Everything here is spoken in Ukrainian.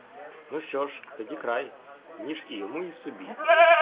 Ну що ж, тоді край: ніж і йому, і собі!